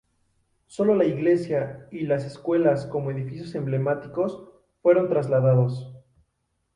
Solo la iglesia y las escuelas como edificios emblemáticos, fueron trasladados.